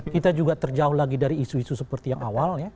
kita juga terjauh lagi dari isu isu seperti yang awalnya